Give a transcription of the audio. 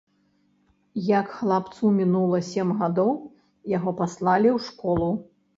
Як хлапцу мінула сем гадоў, яго паслалі ў школу.